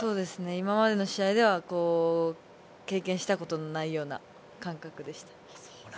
今までの試合では経験したことのないような感覚でした。